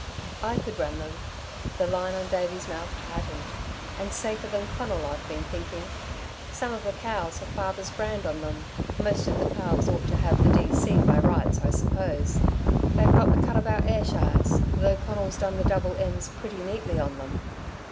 "I could run them." The line on Davey's mouth tightened. "And safer than Conal, I've been thinking. Some of the cows have father's brand on them. Most of the calves ought to have the D.C. by rights, I suppose. They've got the cut of our Ayrshires, though Conal's done the double M's pretty neatly on them.